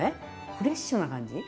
フレッシュな感じ。